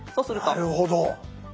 なるほど。